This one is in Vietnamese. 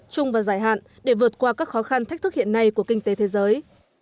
chung và giải hạn để vượt qua các khó khăn thách thức hiện nay của kinh tế thế giới